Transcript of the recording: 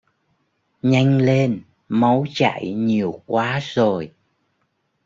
Nhanh lên, máu chảy nhiều quá rồi